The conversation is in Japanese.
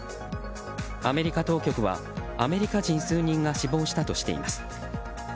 アメリカ当局はアメリカ人数人が死亡したとしています。